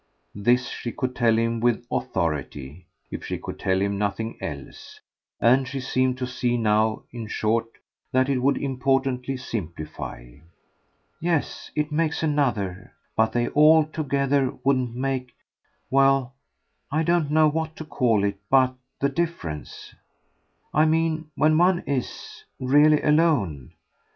This she could tell him with authority, if she could tell him nothing else; and she seemed to see now, in short, that it would importantly simplify. "Yes, it makes another; but they all together wouldn't make well, I don't know what to call it but the difference. I mean when one IS really alone.